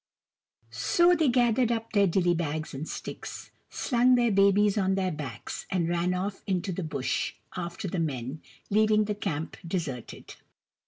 So they gathered up their dilly bags and sticks, slung the babies on their backs, and ran off into the Bush after the men, leaving the camp deserted.